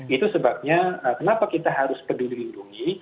itu sebabnya kenapa kita harus peduli lindungi